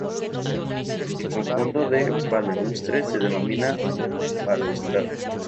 El conjunto de balaustres se denomina balaustrada.